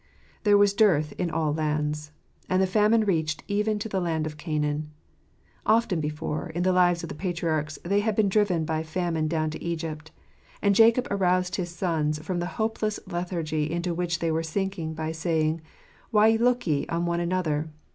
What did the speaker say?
— There was dearth in all lands ; and the famine reached even to the land of Canaan. Often before, in the lives of the patriarchs, had they been driven by famine down to Egypt; and Jacob aroused his sons from the hopeless lethargy into which they were sink ing by saying, "Why look ye on one another?